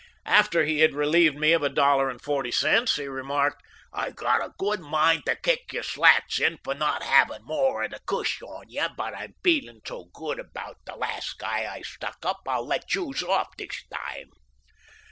"After he had relieved me of a dollar and forty cents he remarked: 'I gotta good mind to kick yer slats in fer not havin' more of de cush on yeh; but I'm feelin' so good about de last guy I stuck up I'll let youse off dis time.